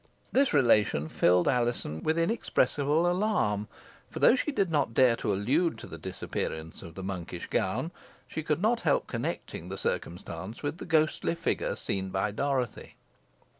This relation filled Alizon with inexpressible alarm, for though she did not dare to allude to the disappearance of the monkish gown, she could not help connecting the circumstance with the ghostly figure seen by Dorothy.